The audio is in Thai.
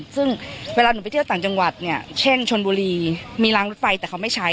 ซึ่งเวลาหนูไปเที่ยวต่างจังหวัดเนี่ยเช่นชนบุรีมีรางรถไฟแต่เขาไม่ใช้